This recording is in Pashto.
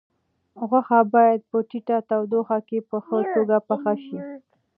غوښه باید په ټیټه تودوخه کې په ښه توګه پخه شي.